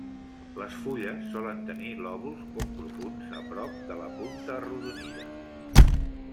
Les fulles solen tenir lòbuls poc profunds a prop de la punta arrodonida.